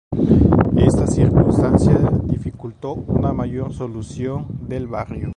Esta circunstancia dificultó una mayor consolidación del barrio.